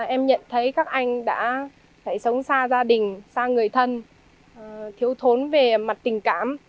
em nhận thấy các anh đã phải sống xa gia đình xa người thân thiếu thốn về mặt tình cảm